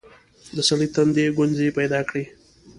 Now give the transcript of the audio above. د سړي تندي ګونځې پيداکړې.